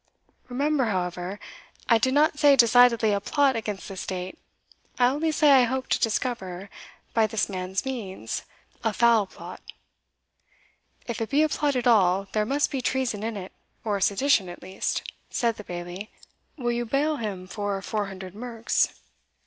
Remember, however, I did not say decidedly a plot against the state I only say I hope to discover, by this man's means, a foul plot." "If it be a plot at all, there must be treason in it, or sedition at least," said the Bailie "Will you bail him for four hundred merks?"